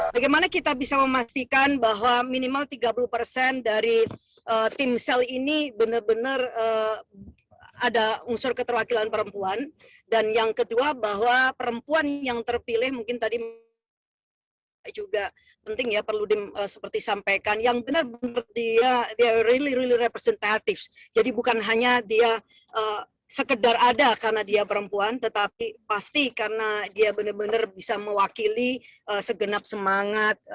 pasti karena dia benar benar bisa mewakili segenap semangat